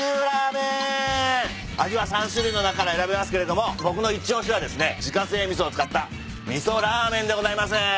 味は３種類の中から選べますけれども僕の一押しはですね自家製味噌を使った味噌ラーメンでございます。